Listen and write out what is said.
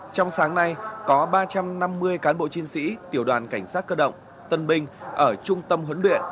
trong sáng nay có ba trăm năm mươi cán bộ chiến sĩ tiểu đoàn cảnh sát cơ động tân binh ở trung tâm huấn luyện